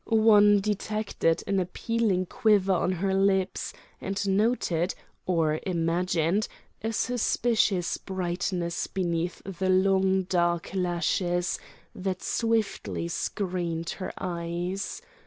One detected an appealing quiver on her lips, and noted, or imagined, a suspicious brightness beneath the long dark lashes that swiftly screened her eyes.